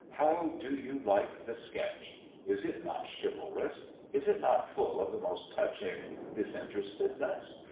How do you like the sketch? Is it not chivalrous? Is it not full of the most touching disinterestedness?